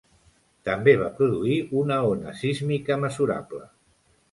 També va produir una ona sísmica mesurable.